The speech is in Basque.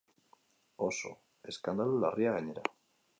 Oso eskandalu larria, gainera.